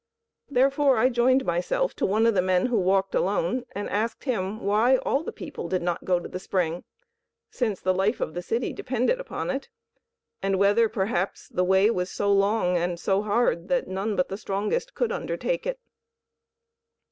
Therefore I joined myself to one of the men who walked alone and asked him why all the people did not go to the spring, since the life of the city depended upon it, and whether, perhaps, the way was so long and so hard that none but the strongest could undertake it.